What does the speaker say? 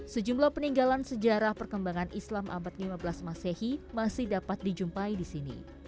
sejumlah peninggalan sejarah perkembangan islam abad lima belas masehi masih dapat dijumpai di sini